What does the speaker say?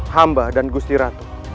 hamba dan gusti ratu